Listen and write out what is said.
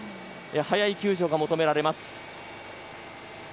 早い救助が求められます。